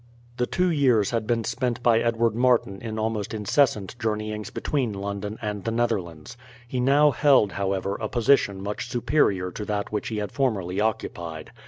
The two years had been spent by Edward Martin in almost incessant journeyings between London and the Netherlands. He now held, however, a position much superior to that which he had formerly occupied.